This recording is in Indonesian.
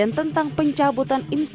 nya menjadi tajam ulang